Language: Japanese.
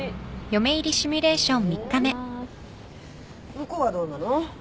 向こうはどうなの？